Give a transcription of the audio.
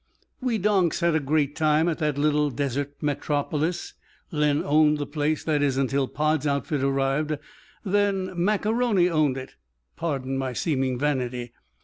We donks had a great time at that little desert metropolis. Len owned the place, that is, until Pod's outfit arrived, then Mac A'Rony owned it. Pardon my seeming vanity.